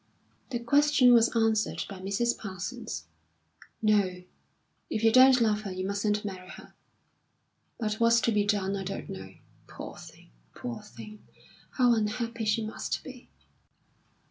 The question was answered by Mrs. Parsons. "No; if you don't love her, you mustn't marry her. But what's to be done, I don't know. Poor thing, poor thing, how unhappy she must be!"